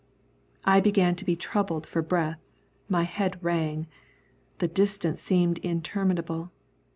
I began to be troubled for breath, my head rang. The distance seemed interminable.